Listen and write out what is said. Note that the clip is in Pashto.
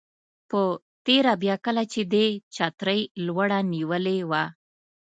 په تېره بیا کله چې دې چترۍ لوړه نیولې وه.